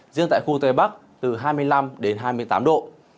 riêng tại khu tây bắc từ hai mươi năm đến hai mươi tám độ